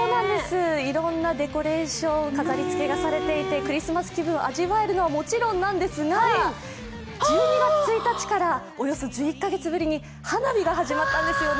いろんなデコレーション飾り付けがされていてクリスマス気分を味わえるのはもちろんなんですが１２月１日からおよそ１１カ月ぶりに花火が始まったんですよね。